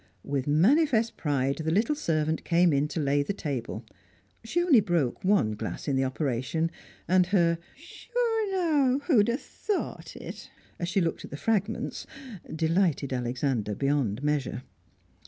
With manifest pride the little servant came in to lay the table; she only broke one glass in the operation, and her "Sure now, who'd have thought it!" as she looked at the fragments, delighted Alexander beyond measure.